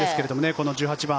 この１８番。